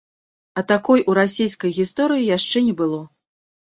А такой у расейскай гісторыі яшчэ не было.